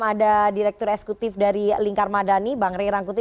ada direktur esekutif dari lingkar madani bang rey rangkuti